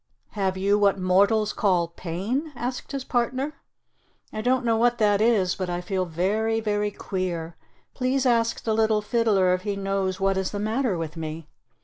"Have you what mortals call 'pain?'" asked his partner. "I don't know what that is, but I feel very, very queer. Please ask the Little Fiddler if he knows what is the matter with me."